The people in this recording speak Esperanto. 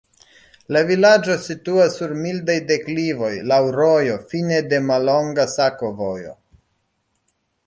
La vilaĝo situas sur mildaj deklivoj, laŭ rojo, fine de mallonga sakovojo.